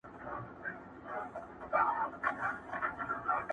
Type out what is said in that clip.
تاوېدی له ډېره درده قهرېدلی؛